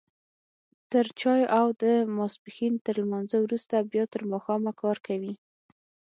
تر چايو او د ماسپښين تر لمانځه وروسته بيا تر ماښامه کار کوي.